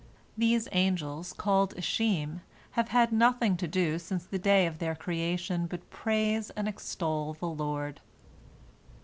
These angels, called Ishim, have had nothing to do since the day of their creation but praise and extol the Lord.